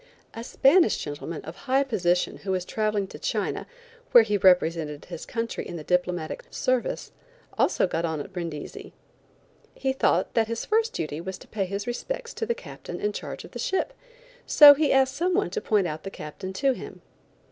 A Spanish gentleman of high position who was traveling to China, where he represented his country in the diplomatic service, also got on at Brindisi. He thought that his first duty was to pay his respects to the Captain in charge of the ship, so he asked some one to point the Captain out to him.